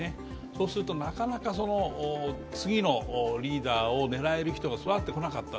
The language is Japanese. そうすると、なかなか次のリーダーを狙える人が育ってこなかった。